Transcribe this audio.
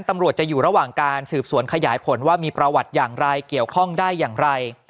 ตำรวจจะอยู่ระหว่างการสืบสวนขยายผลว่ามีประวัติอย่างไรเกี่ยวข้องได้อย่างไร